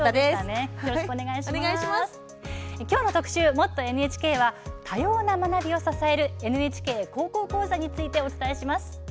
「もっとＮＨＫ」は多様な学びを支える「ＮＨＫ高校講座」についてお伝えします。